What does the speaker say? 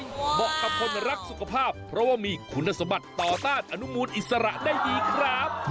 เหมาะกับคนรักสุขภาพเพราะว่ามีคุณสมบัติต่อต้านอนุมูลอิสระได้ดีครับ